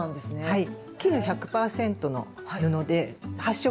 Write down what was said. はい。